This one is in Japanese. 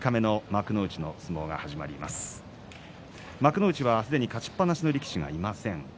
幕内はすでに勝ちっぱなしの力士がいません。